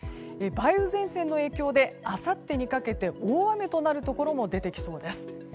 梅雨前線の影響であさってにかけて大雨となるところも出てきそうです。